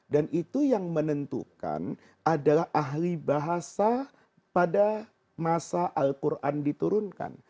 dan itu yang menentukan adalah ahli bahasa pada masa al quran diturunkan